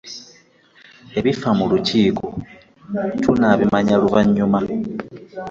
Ebifa mu lukiiko tunaabimanya luvannyuma.